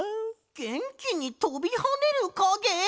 げんきにとびはねるかげ？